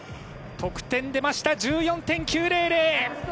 得点出ました、１４．９００。